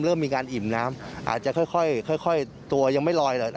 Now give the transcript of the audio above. เริ่มมีการอิ่มน้ำอาจจะค่อยตัวยังไม่ลอยเลย